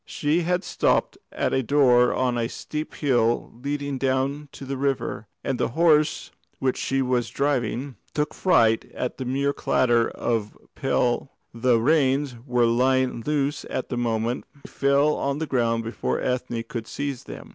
She had stopped at a door on that steep hill leading down to the river, and the horse which she was driving took fright at the mere clatter of a pail and bolted. The reins were lying loose at the moment; they fell on the ground before Ethne could seize them.